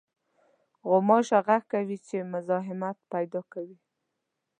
غوماشه غږ کوي چې مزاحمت پېدا کوي.